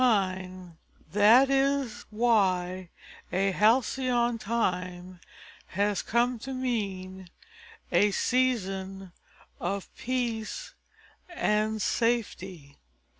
And that is why a halcyon time has come to mean a season of peace and safety.